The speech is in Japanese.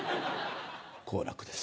好楽です。